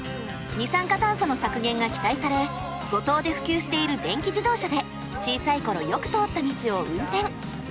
二酸化炭素の削減が期待され五島で普及している電気自動車で小さい頃よく通った道を運転。